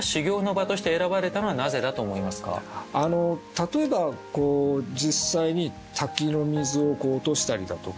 例えば実際に滝の水を落としたりだとか